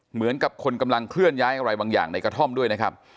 เหมือนกับคนกำลังเคลื่อนย้ายอะไรบางอย่างในกระท่อมด้วยนะครับ